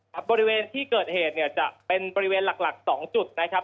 บริเวณที่เกิดเหตุเนี่ยจะเป็นบริเวณหลัก๒จุดนะครับ